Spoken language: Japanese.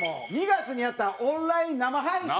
２月にやったオンライン生配信。